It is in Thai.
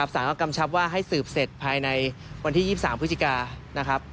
สารก็กำชับว่าให้สืบเสร็จภายในวันที่๒๓พฤศจิกานะครับ